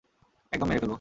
একদম মেরে ফেলবো।